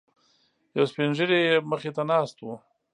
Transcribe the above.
یو سپینږیری یې مخې ته ناست و.